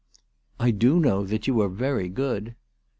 " I do know that you are very good."